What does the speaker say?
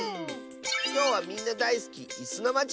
きょうはみんなだいすき「いすのまち」